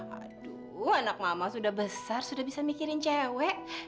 aduh anak mama sudah besar sudah bisa mikirin cewek